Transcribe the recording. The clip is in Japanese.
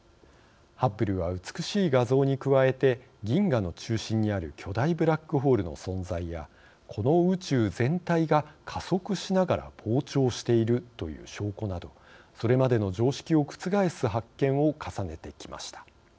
ハッブルは美しい画像に加えて銀河の中心にある巨大ブラックホールの存在やこの宇宙全体が加速しながら膨張しているという証拠などそれまでの常識を覆す発見を重ねてきました。